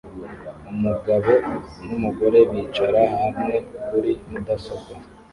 Umugabo numugore bicara hamwe kuri mudasobwa